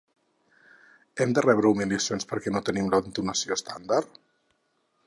Hem de rebre humiliacions perquè no tenim l’entonació estàndard?